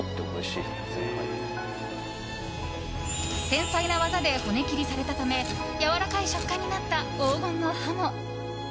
繊細な技で骨切りされたためやわらかい食感になった黄金のハモ。